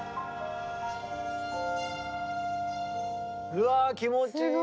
うわ気持ちいい。